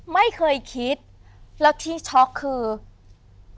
ไม่เคยคิดแล้วที่ช็อกคือ